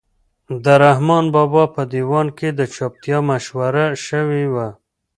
د رحمان بابا په دیوان کې د چوپتیا مشوره شوې وه.